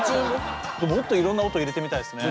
もっといろんな音入れてみたいですね。